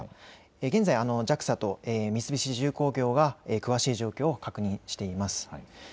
現在、ＪＡＸＡと三菱重工業が詳しい状況を確認しています。